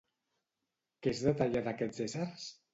Què es detalla d'aquests éssers?